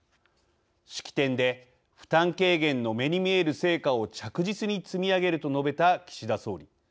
式典で「負担軽減の目に見える成果を着実に積み上げる」と述べた岸田総理。